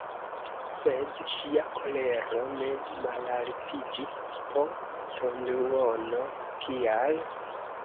Sed ŝia kolero ne malaltiĝis po tonduono: «Kial?"